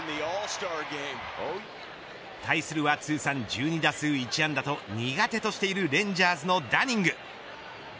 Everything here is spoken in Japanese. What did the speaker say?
対するは通算１２打数１安打と苦手としているレンジャーズのダニング。